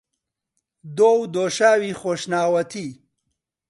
دۆ و دۆشاوی خۆشناوەتی